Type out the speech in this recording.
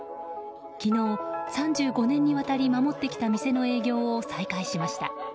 昨日、３５年にわたり守ってきた店の営業を再開しました。